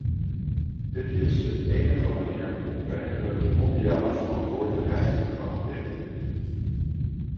Dit is de enige manier om werkelijk mondiale verantwoordelijkheid te garanderen.